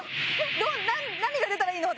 何が出たらいいの？